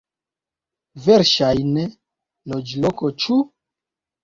Verŝajne, loĝlokoj, ĉu?